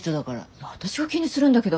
いや私が気にするんだけど。